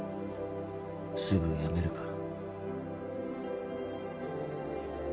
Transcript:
すぐやめるから。